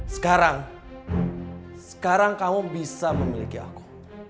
sekarang sekarang kamu bisa memiliki aku